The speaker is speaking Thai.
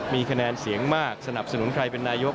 มีคะแนนเสียงมากสนับสนุนใครเป็นนายก